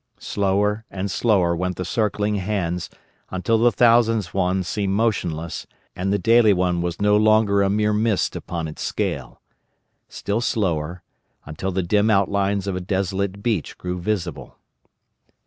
Slower and slower went the circling hands until the thousands one seemed motionless and the daily one was no longer a mere mist upon its scale. Still slower, until the dim outlines of a desolate beach grew visible.